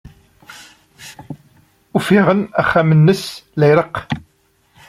Ufiɣ-n axxam-nnes la ireɣɣ.